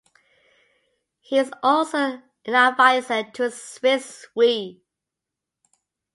He is also an adviser to Swiss Re.